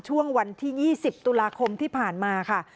ช่วงวันที่๒๐ตุลาคมที่ผ่านมาค่ะ